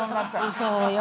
そうよ。